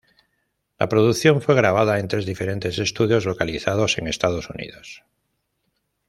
La producción fue grabada en tres diferentes estudios localizados en Estados Unidos.